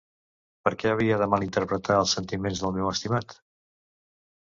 Per què havia de malinterpretar els sentiments del meu estimat?